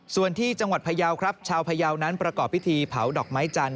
ส่วนที่จังหวัดพยาวครับชาวพยาวนั้นประกอบพิธีเผาดอกไม้จันท